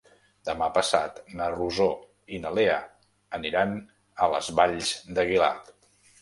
Demà passat na Rosó i na Lea aniran a les Valls d'Aguilar.